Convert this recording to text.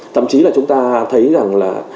thậm chí là chúng ta thấy rằng là